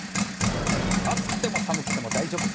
暑くても寒くても大丈夫。